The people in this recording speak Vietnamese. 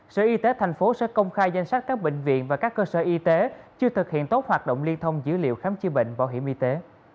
sở y tế thành phố sẽ công khai danh sách các bệnh viện và các cơ sở y tế chưa thực hiện tốt hoạt động liên thông dữ liệu khám chữa bệnh bảo hiểm y tế